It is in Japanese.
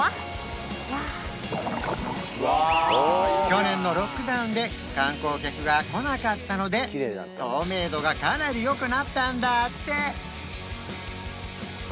去年のロックダウンで観光客が来なかったので透明度がかなりよくなったんだって